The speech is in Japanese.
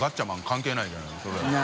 関係ないじゃないそれだったら。